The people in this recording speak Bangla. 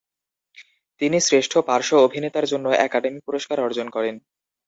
তিনি শ্রেষ্ঠ পার্শ্ব অভিনেতার জন্য একাডেমি পুরস্কার অর্জন করেন।